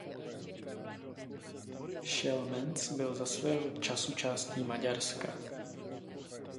Szelmenc byl svého času částí Maďarska.